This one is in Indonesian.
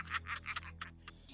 itu sama juga hukuman mati